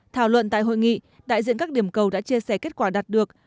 thảo luận tại hội nghị đại diện các điểm cầu đã chia sẻ kết quả đạt được